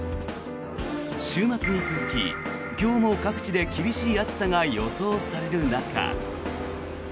週末に続き、今日も各地で厳しい暑さが予想される中。